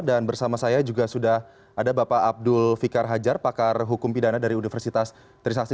dan bersama saya juga sudah ada bapak abdul fikar hajar pakar hukum pidana dari universitas trisakti